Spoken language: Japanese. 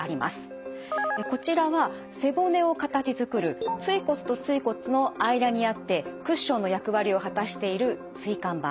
こちらは背骨を形づくる椎骨と椎骨の間にあってクッションの役割を果たしている椎間板。